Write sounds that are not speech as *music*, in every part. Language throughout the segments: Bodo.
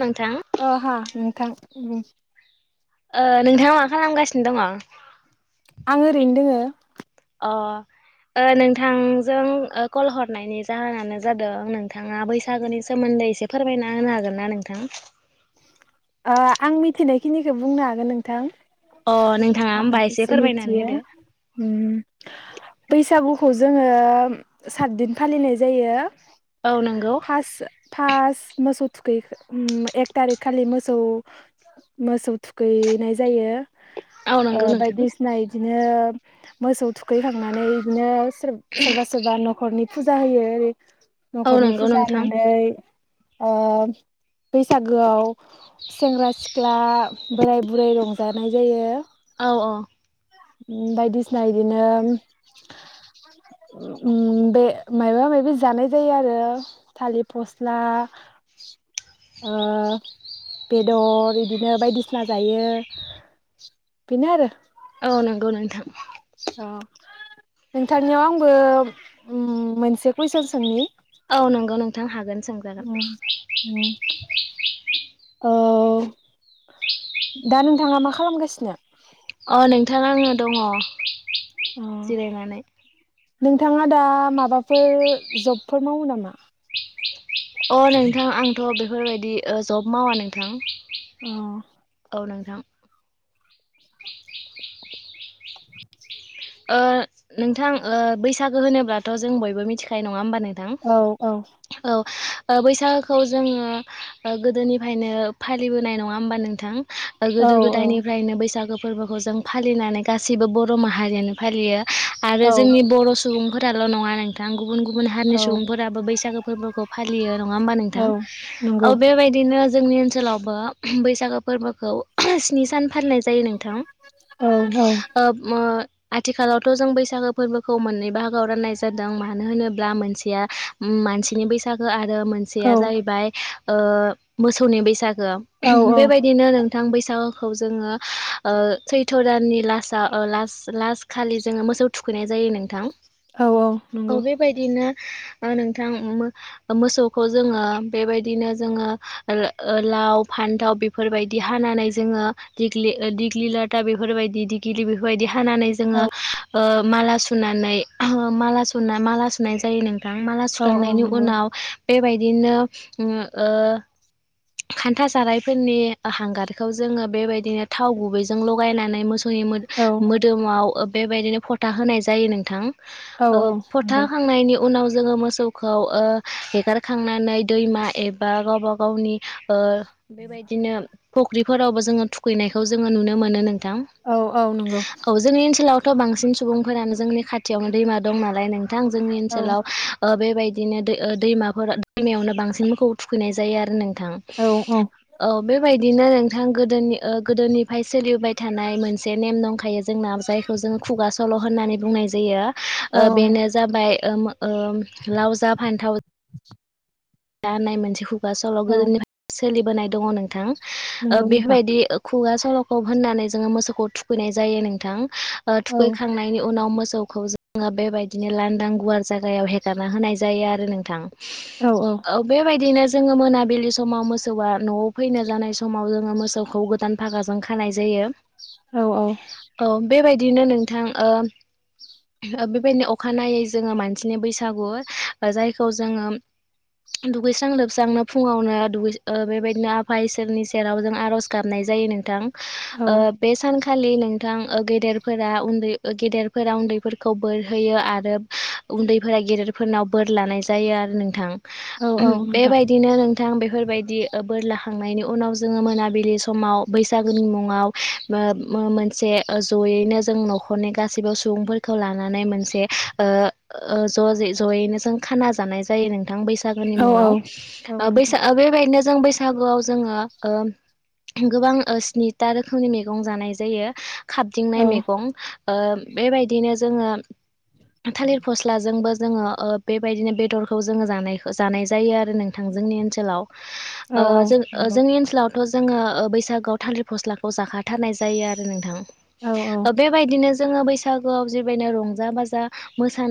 नोंथां ओ हा नोंथां उ । ओ नोंथाङा मा खालामगासिनो दङ? आं ओरैनो दोङो । अ । ओ नोंथांजों ओ कल हरनायनि जाहोनानो जादों नोंथाङा बैसागोनि सोमोन नै एसे फोरमायना होना हागोन ना नोंथां? आं मिथिनायखिनिखो बुंनो हागोन नोंथां अ नोंथाङा । होमबा आं एसे फोरमायनानै जेमिथियो होदो बैसागुखौ जोङो सातदिन फालिनाय जायो। औ नंगौ फास्ट मोसौ थुखै एक थारिख खालि मोसौ औ मोसौ थुखैनाय जायो औ नंगौ बायदिसिना ओ नोंथां बायदिसिना बिदिनो मोसौ थुखैखांनानै बिदिनो सोरबा सोरबा न'खरनि फुजा होयो ओरै औ न'खरनि नंगौ फुजा नोंथां होनानै ओ बैसागोआव सेंग्रा सिख्ला बोराय बुरै रंजानाय जायो। औ औ बायदिसिना बिदिनो उम बे माबा माबि जानाय जायो आरो थालिर फस्ला ओ बेदर बिदिनो बायदिसिना जायो बिनो आरो औ नंगौ नोंथां *inaudible* औ नोंथांनियाव आंबो मोनसे कुइसन सोंनि औ नंगौ नोंथां हागोन सोंजागोन उम *inaudible* उम औ दा नोंथाङा मा खालामगासिनो? अ नोंथा आङो दङ अ जिरायनानै नोंथाङा दा माबाफोर जब फोर मावो नामा? अ नोंथां आंथ' बेफोरबायदि ओ जब मावा नोंथां। अ औ नोंथां ओ नोंथां ओ बैसागो होनोब्लाथ' जों बयबो मिथिखानाय नङा होनोमबा नों थां औ *inaudible* औ ओ बैसागोखौ जोङो ओ गोदोनिफ्रायनो फालिबोनाय नङा होमबा नोंथां? ओ औ गोदो औ गोदायनिफ्रायनो बैसागो फोरबोखौ जों फालिनानै गासैबो बर' माहारियानो फालियो आरो औ जोंनि बर' सुबुंफोराल' नङा नोंथां गुबुन गुबुन औ हारिनि सुबुंफोराबो बैसागो फोरबोखौ फालियो नङा होमबा नोंथां नंगौ औ बेबायदिनो जोंनि ओनसोलावबो बैसागो फोरबोखौ स्नि सान फालिनाय जायो नों थां औ *inaudible* ओ आथिखालावथ' जों बैसागो फोरबोखौ मोननै बाहागोआव राननाय जादों मानो होनोब्ला मोनसेया मानसिनि बैसागो आरो औ मोनसेया जाहैबाय ओ मोसौनि बैसागो औ औ बेबायदिनो नों थां बैसागोखौ जोङो ओ सैथ' दाननि लासाव लास लास्ट खालि जोङो मोसौ थुखैनाय जायो नोंथां औ औ नंगौ ओ नोंथां मोसौखौ जोङो बेबायदिनो जोङो ओ फान्थाव बेफोरबायदि हानानै दिग्लि लाथा बेफोरबायदि दिग्लिफोर खानानै औ जोङो ओ माला सुनानैा स माला सुनाय जायो नों थां माला औ औ सुखांनायनि नंगौ उनाव बेबायदिनो ओ खान्था जारायफोरनि हांगारखौ जोङो बेबायदिनो थाव गुबैजों लगायनानै मोसौ होयोमोन औ *unintelligible* बेबायदिनो फथा होनाय जायो नोंथां औ ओ औ नंगौ फथाहोखांनायनि उनाव जोङो मोसौखौ ओ हेगारखांनानै दैमा एबा गावबा गावनि ओ बेबायदिनो फख्रिफोरावबो जोङो थुखैनायखौ जोङो नुनो मोनो नों थां औ औ नंगौ औ जोंनि ओनसोलाव थ' बांसिन सुबुंफोरानो जोंनि खाथियावनो दैमा दं नालाय नोंथां जोंनि औ ओनसोलाव बे बेबायदिनो दै दैमाफोर दैमायावनो बांसिन मोखौ थुखैनाय जायो आरो नों थां औ बेबायदिनो नोंथां गोदोनि ओ गोदोनिफ्राय सोलिबाय थानाय मोनसे नेम दंखायो जोंना जायखौ जोङो खुगा सल' होननानै बुंनाय जायो औ ओ बेनो जाबाय ओम ओम लाव जा फान्थाव जा जा होननाय मोनसे खुगा स'ल' औ गोदोनिफ्रय ओ नंगौ नोंथां बेफोरबायदि खुगा सल'खौ होननानै जोंङो मोसौखौ थुखैनाय जायो नोंथां। ओ औ थुखैखांनायनि उनाव मो सौखौ जोंङो बेबायदिनो लांदां गुवार जायगायाव हेगारना होनाय जायो आरो नोंथां । औ बेेबायायदिनो जोंङो मोनाबिलि समाव मोसौआ न'आव फैनो जानाय समाव जोंङो मोसौखौ गोदान फागाजों खानाय जायो । औ औ बेबायदिनो नोंथां ओ ओ बेबायदिनो अखानायै जोंङो मानसिनि बैसागु जायखौ जोंङो दुगैस्रां लोबस्रांनो फुङावनो ओ बेबायदिनो आफा इसोरनि सेराव जों आर'ज गाबनाय जायो । नोंथां बे सान खालि नोंथां ओ गेदेरफोरा उन्दै ओ गेदेरफोरा उन्दैफोरखौ बोरहोयो आरो उन्दैफोरा गेदेरफोरनाव बोर लानाय जायो आरो नोंथां औ औ । नोंथां बेबायदिनो नोंथां बेफोरबायदि बोर लाखांनायनि उनाव जोंङो मोनाबिलि समाव बैसागोनि मुङाव ओ मोनसे ज'यैनो जों न'खरनि गासिबो सुबुंफोरखौ लानानै मोनसे ओ ओ जयैनो जों खाना जानाय जायो नों थां बैसागो नि औ औ मुङाव औ ओ नोंथां बैसाग बेबादिनो जोंङो बैसागो बैसागुआव जोंङो ओ गोबां ओ स्निथा रोखोमनि मैगं जानाय जायो । खाबदिंनाय औ मैगं ओ बेबायदिनो जोंङो थालिर फस्लाजोंबो जोंङो ओ बेबायदिनो बेदरखौ जोंङो जानाय जानाय जायो आरो नोंथां जोंनि ओनसोलाव। औ औ ओ जों नंगौ जोंनि ओनसोलाव जोंङो ओ बैसागोआव थालिर फस्लाखौ जाखाथारनाय जायो आरो नोंथां। औ औ ओ बेबायदिनो जोंङो बैसागोआव जबेबायदिनो रंजा बाजा मोसा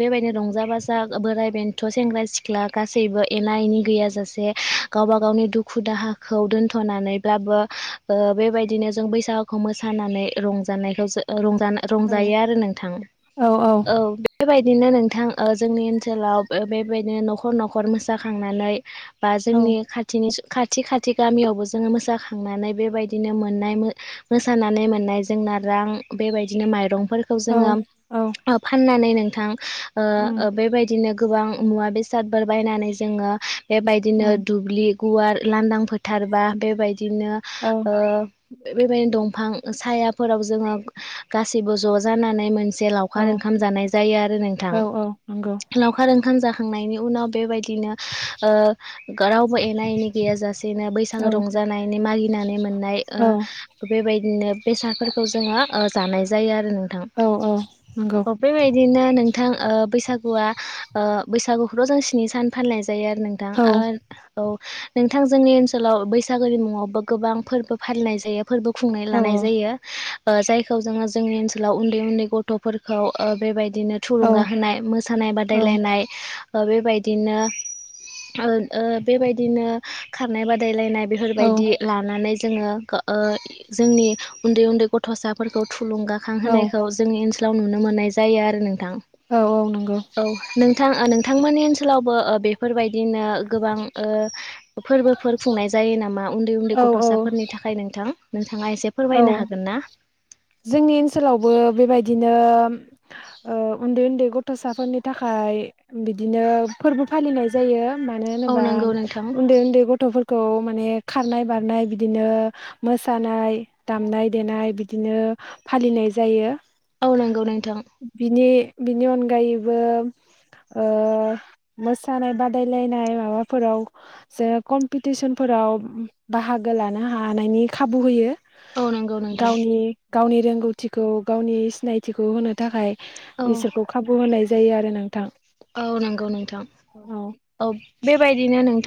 बेबायदिनो रंजा बाजा बोराइ बेनथ' गथ' सेंग्रा सिख्ला गासैबो एना एनि गैयाजासे गावबा गावनि दुखु दाहाखौ दोनथ' नानैल्बाबो ओ बेबायदिनो जों बैसागुखौ मोसानानै रंजानायखौ रंजा रंजायो आरो नोंथां औ बेबायदिनो नोंथां ओ जोंनि ओनसोलाव बेबायदिनो न'खर न'खर मोसाखांनानै बा औ जोंनि खाथिनि खाथि खाथि गामियावबो जोंङो मोसाखांनानै बेबायदिनो मोननाय मोसानानै मोननाय जोंङो नारां बेबायदिनो माइरं फोरखौ औ जोंङो औ ओ फानानै नोंथां उम ओ बेबादिनो गोबां मुवा बेसादफोर बायनानै जोङो बेबायदिनो उम दुब्लि गुवार लांदां फोथारबा बेबायदिनो औ ओ बेबायदिनो दंफां सायाफोराव जोंङो गासैबो ज' जानानै मोन से लावखार ओंखाम जानाय जायो आरो नोंथां औ औ नंगौ लावखार ओंखाम जाखांनायनि उनाव बेबायदि नो ओ रावबो एना एनि गैया जाासेनो बैसागु औ रंजानायनि मागिनानै मोननाय ओ बेबायदिनो बेसादफोरखौ जोंङो ओ जानाय जायो आरो नोंथां औ औ नंगौ बेबायदिनो नोंथां ओ बैसागुआ ओ बैसागुखौथ' जों स्नि सान फालिनाय जायो आरो नोंथां औ ओ औ नोंथां जोंनि ओनसोलाव बैसागोनि मुङावबो गोबां फोरबो फालिनाय जायो । फोरबो खुंनो औ लानाय औ जायो । ओ जायखौ जोंङो जोंनि ओनसोलाव उन्दै उन्दै गथ'फोरखौ ओ बेबायदि बिदिनो औ थुलुंगा होनाय मोसानाय बादायलायनाय अ' बेबायदिनो ओ ओ बेबायदिनो खारनाय बादायलायनाय औ बेफोरबायदि लानानै जोंङो ओ जोंनि उन्दै उन्दै गथ'साफोरखौ थुलुंगाखां औ होनायखौ जोंनि ओनसोलाव नुनो मोननाय जायो आरो नों औ औ नंगौ औ नोंथां नोंथां मोननि ओनसोलावबो बेफोरबायदि बिदिनो गोबां ओ फोरबोफोर खुंनाय जायो नामा उन्दै उन्दै औ औ गथ'साफोरनि थाखाय नोंथां? नोंथाङा एसे औ फोरमायनो हागोन ना जोंनि ओनसोलावबो बेबायदिनो बिदिनो ओ उन्दै उन्दै गथ'साफोरनि थाखाय बिदिनो फोरबो फा सोलिनाय जायो मानो औ होनोबा नंगौ नोंथां उन्दै उन्दै गथ'फोरखौ माने खारनाय बारनाय बिदिनो मोसानाय, दामनाय-देनाय बिदिनो फालिनाय जायो औ नंगौ नोंथां बिनि बिनि अनगायैबो ओ मोसानाय बादायलायनाय माबाफोराव जे कमपिटिसनफोर फोराव बाहागो लानो हानायनि खाबु होयो औ नंगौ नोंथां गावनि गावनि रोंगौथिखौ गावनि सिनायथिखौ होनो थाखाय औ ईसोरखौ खाबु होनाय जायो आरो नोंथां ‌। औ नंगौ नोंथां, औ बेबायदिनो नों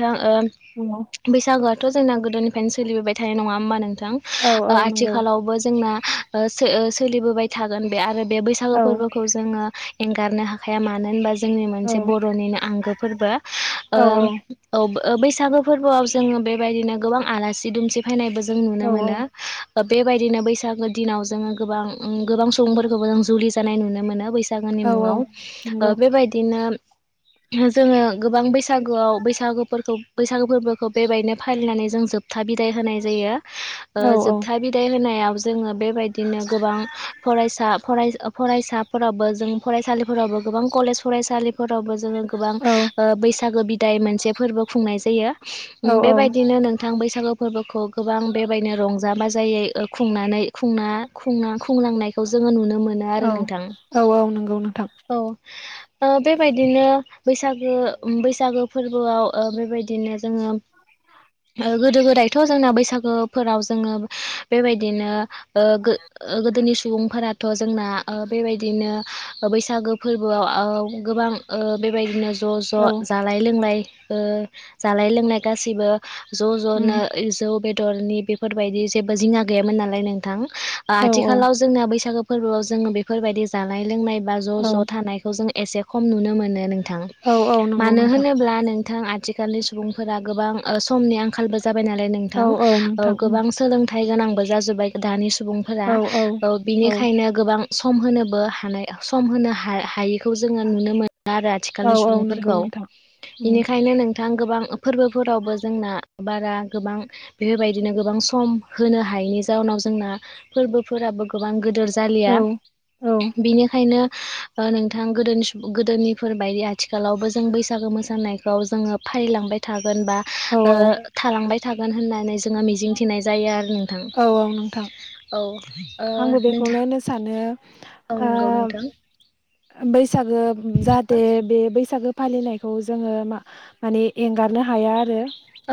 नंगौ। बैसागोआथ' जोंना गोदोनिफ्रायनो सोलिबोबाय थानाय नङा होमबा नों नोथां औ ओ औ नंगौ आथिखालावबो जोंना ओ सो सोलिबोबाय थागोन बे आरो बे बैसागु औ फोरबोखौ जोङो एंगारनो हाखाया मानो होनबा जोंनि मोनसे औ बर'निनो आंगो फोरबो ओ औ औ बो बैसागु फोरबोआव जोङो बेबायदिनो गोबां आलासि-दुमसि फैनायबो जों नुनो औ मोनो । बेबायदिनो बैसागो दिनाव जोङो गोबां ओ गोबां सुबुंफोरखौबो जों जुलि जानाय नुनो मोनो बैसा बैसागोनि औ औ मुङाव ओ नंगौ बेबायदिनो जोङो गोबां बैसागोआव बैसागुफोरखौ बैसागो फोरबोखौ बेबायदिनो फालिनानै जों जोब था बिदाय होनाय जायो औ औ जोबथा बिदाय होनायाव जोङो बे बायदिनो गोबां फरायसा फराय फरायसाफोराबो जों फरायसालिफोरावबो गोबां कलेज फरायसालि फोरावबो जोङो गोबां औ ओ बैसागो बिदाय मोनसे फोर्बो खुंनाय जायो । ओ औ बे बायदिनो नोंथां बैसागु फोर्बोखौ गोबां बे बायदिनो रंजा जा-बाजायै ओ खुंनानै खुंना खुंनाय खुंलांनायखौ जोङो नुनो मोनो आरो नोंथां, औ औ नंगौ नोंथां औ बे बायदिनो बैसागो उम बैसागो फोरबोआव ओ बेबायदिनो जोङो ओ गोदो गोदायथ' जोंना बैसागोफोराव जोङो बेबायदिनो ओ गो ओ गोदोनि सुबुंफोराथ' जोंना ओ बेबायदिनो बैसागो फोरबोआव गोबां ओ बेबायदिनो ज' औ ज' जालाय लोंलाय ओ जालाय लोंलाय गासिबो ज' उम ज'नो जौ बे दरनि बेफोरबायदि जेबो जिंगा गैयामोन नालाय नोंथां औ आथिालाव जोंना बैसागो फोरबोआव जोङो बेफोरबायदि जानाय लोंनाय बा ज' औ ज' थानायखौ जों एसे खम नुनो मोनो नों नोंथां औ औ नंगौ मानो नोंथां होनोब्ला नोंथां आथिखालनि सुबुंफोरा गोबां ओ समनि आंखालबो जाबाय नालाय औ नोथां औ ओ नोंथां उम गोबां सोलोंथाइ गोनांबो जाजोबबाय दानि सु सुबुंफोरा औ ओ औ बिनिखायनो गोबां सम होनोबो हानाय सम होनो हायो खौ जोङो नुनो मोनो आरो औ आथिखालनि औ नंगौ सुबुंफोरखौ नोंथां उम बेनिखायनो नोंथां गोबां फोरबोफोरावबो जोंना बारा गोबां बेफोरबायदिनो गोबां सम होनो हायैनि जाउनाव जोंना फोरबोफोरा गोबां गोदोर जालिया औ औ बेनिखायनो ओ नों नोंथां गोदोनि सु गोदोनिफोरबायदि आथिखालावबो जों बैसागो मोसानायखौ जोङो फालिलांबाय था गोन बा औ ओ थालांबाय थागोन होननानै जोङो मिजिंथिनाय जायो आरो नोंथां औ औ नोंथां। औ ओ आंबो बेखौनो नोंथां होनो सानो औ ओ नंगौ नोंथां बैसागो जाहाथे बे बैसागो फालिनायखौ जोङो मा माने एंगारनो हाया आरो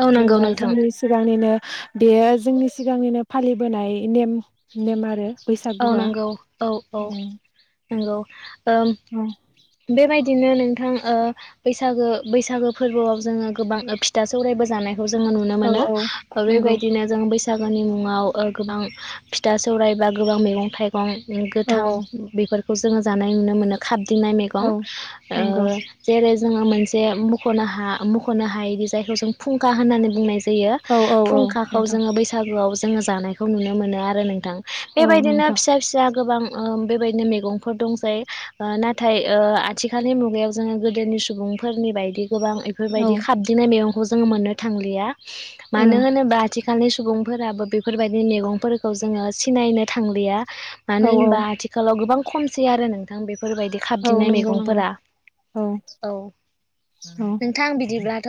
औ नंगौ जेनेबा नोंथां जोंनि सिगांनिनो बेयो जोंनि सिगांनिनो फालिबोनाय नेम नेम आरो । औ नंगौ औ - औ नंगौ ओम उ बेबायदिनो नोंथां ओ बैसागो - बैसागो फोरबोआव जोङो गोबां फिथा सौरायबो जानाय खौ जोङो नुनो औ मोनो औ नंगौ बेबायदिनो जों बैसाग नि मुङाव गोबां फिथा, सौरायाइबा गोबां मैगं - थाइगं गोबां औ गोथां औ बेफोरखौ जोङो जानाय नुनो मोनो खाबदिनाय गं औ ओ नंगौ जेरै जोङो मोनसे मख'नो हा मख'नो हायोदि जायखौ जों फुंखा होननानै बुंनाय जायो जयो औ औ औ फुंखाखौ नोंथां जोङो बैसागुआव जोङो जानायखौ नुनो मोनो आरो नोंथां । औ बेबायदिनो नोंथां फिसा - फिसा गोबां बेबायदिनो मैगंफोर दंजायो नाथाय ओ आथिखालनि मुगायाव जोङो गोदोनि सुबुंफोरनि बायदि गोबां औ बेफोरबायदि खाबदिंनाय मैगं खौ जों मोननो थांलिया औ मानो होनोबा आथिखालनि सुबुं फोराबो बेफोरबायदि मैगंफोरखौ जोङो सिनायनो थांलिया मानो औ औ होनबा आथिखालाव गोबां खमसै आरो नोंथां बेफोरबायदि औ खाबदिंनाय नंगौ नंगौ मैगंफोरा औ नोंथां बिदिब्ला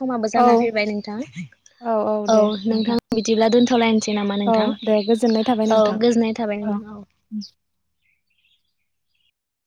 समाबो औ जाना फैबाय नोंथां । औ नोंथां बिदिब्ला दोनथ'लायनोसै नामा औ नोंथां दे औ गोजोननाय थाबाय । हेलौ उ